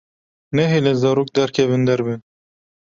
Nehêle zarok derkevin derve.